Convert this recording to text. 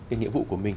cái nghĩa vụ của mình